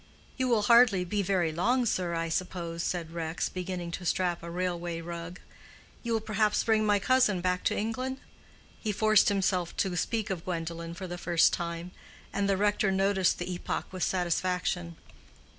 "You will hardly be very long, sir, I suppose," said Rex, beginning to strap a railway rug. "You will perhaps bring my cousin back to England?" He forced himself to speak of Gwendolen for the first time, and the rector noticed the epoch with satisfaction.